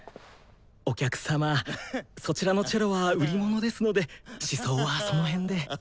お客様そちらのチェロは売り物ですので試奏はそのへんで。